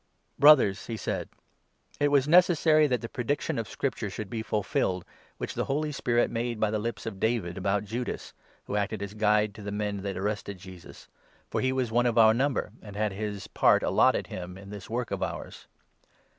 " Brothers," he said, " it was necessary that the prediction 16 of Scripture should be fulfilled, which the Holy Spirit made by the lips of David about Judas, who acted as guide to the men that arrested Jesus, for he was one of our number and had his 17 part allotted him in this work of ours."